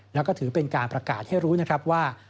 แล้วก็ถือเป็นการประกาศให้รู้นะครับว่า